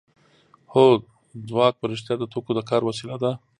هو ځواک په رښتیا د توکو د کار وسیله ده